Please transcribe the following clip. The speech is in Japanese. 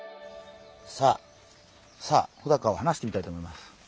さあさあほだかを放してみたいと思います。